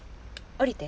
降りて。